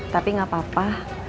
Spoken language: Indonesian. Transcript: tapi tidak apa apa